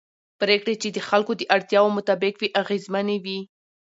پرېکړې چې د خلکو د اړتیاوو مطابق وي اغېزمنې وي